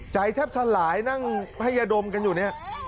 แทบสลายนั่งให้ยาดมกันอยู่เนี่ย